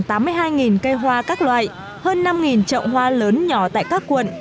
các ngành đã tạo chí khoảng tám mươi hai cây hoa các loại hơn năm trọng hoa lớn nhỏ tại các quận